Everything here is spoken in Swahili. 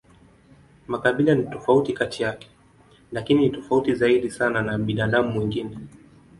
Makabila ni tofauti kati yake, lakini ni tofauti zaidi sana na binadamu wengine.